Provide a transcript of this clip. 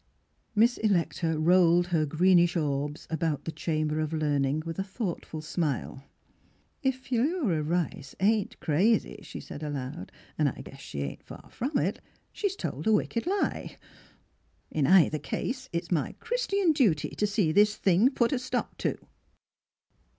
Miss Electa rolled her green ish orbs about the chamber of learning with a thoughtful smile. " If Philura Rice ain't crazy," she said aloud; "an' I guess she ain't far from it. She's told a wicked lie! In 78 Miss Philitra either case, it's my Christian duty to see this thing put a stop to!